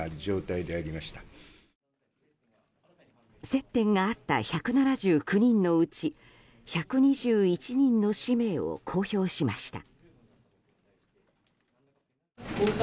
接点があった１７９人のうち１２１人の氏名を公表しました。